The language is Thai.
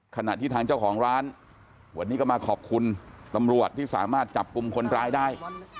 ขณะที่ทางเจ้าของร้านวันนี้ก็มาขอบคุณตำรวจที่สามารถจับกลุ่มคนร้ายได้